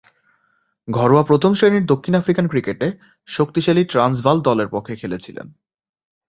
ঘরোয়া প্রথম-শ্রেণীর দক্ষিণ আফ্রিকান ক্রিকেটে শক্তিশালী ট্রান্সভাল দলের পক্ষে খেলেছিলেন।